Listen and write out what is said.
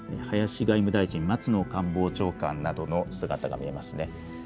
林外務大臣、松野官房長官などの姿が見えますね。